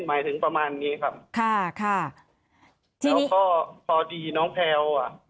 หมายถึงประมาณนี้ครับค่ะค่ะที่นี่แล้วก็พอดีน้องแพลล์อะ